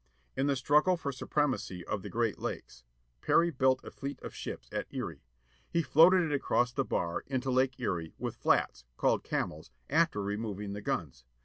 In the struggle for supremacy on the Great Lakes, Perry built a fleet of ships at Erie. He floated it across the bar, into Lake Erie, with flatsâ called camels â after removing the guns.